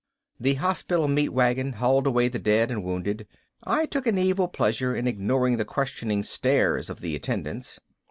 The hospital meat wagon hauled away the dead and wounded. I took an evil pleasure in ignoring the questioning stares of the attendants.